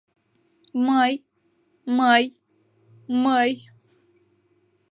Мый... мый... мый...